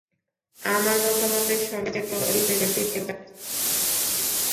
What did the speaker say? আমার মতামতের সঙ্গে জেট্রো রিপ্রেজেন্টেটিভ এবং জাপানের ছাত্রছাত্রীদের মতামত অনেকাংশেই মিলে যায়।